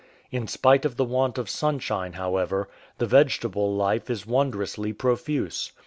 In spite of the want of sunshine, however, the vegetable life is wondrously profuse.